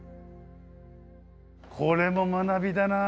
これも学びだな。